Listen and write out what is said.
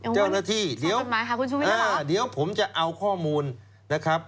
เจ้าหน้าที่เดี๋ยวส่งจุดหมายค่ะคุณชุวินครับอ่าเดี๋ยวผมจะเอาข้อมูลนะครับ